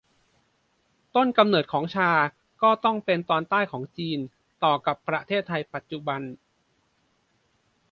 ต้นกำเนิดของชาก็ต้องเป็นตอนใต้ของจีน ต่อกับประเทศไทยปัจจุบัน